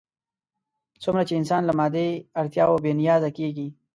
څومره چې انسان له مادي اړتیاوو بې نیازه کېږي.